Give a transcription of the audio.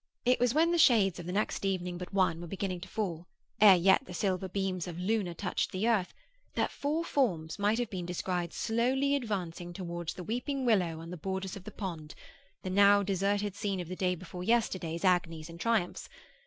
It was when the shades of the next evening but one were beginning to fall, ere yet the silver beams of Luna touched the earth, that four forms might have been descried slowly advancing towards the weeping willow on the borders of the pond, the now deserted scene of the day before yesterday's agonies and triumphs.